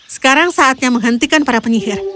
sekarang saatnya menghentikan para penyihir